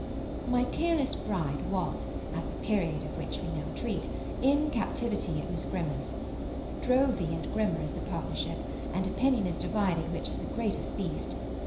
My peerless bride was, at the period of which we now treat, in captivity at Miss Grimmer's. Drowvey and Grimmer is the partnership, and opinion is divided which is the greatest beast.